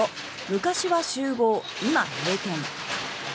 昔は集合今閉店」。